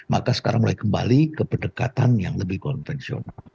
maka sekarang mulai kembali ke pendekatan yang lebih konvensional